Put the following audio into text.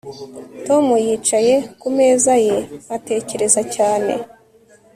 Tom yicaye ku meza ye atekereza cyane